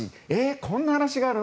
こんな話があるの？